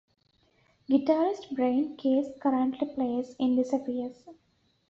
Guitarist Brian Case currently plays in Disappears.